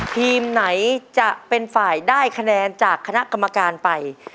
ทีมไหนจะเป็นฝ่ายได้คะแนนจากคณะกรรมการไป